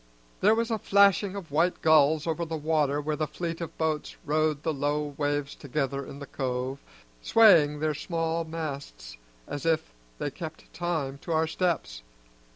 There was a flashing of white gulls over the water where the fleet of boats rode the low waves together in the cove, swaying their small masts as if they kept time to our steps.